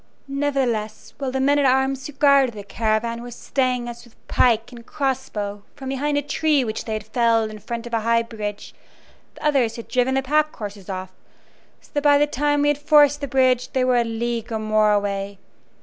Nevertheless, while the men at arms who guarded the caravan were staying us with pike and cross bow from behind a tree which they had felled in front of a high bridge the others had driven the pack horses off, so that by the time we had forced the bridge they were a league or more away.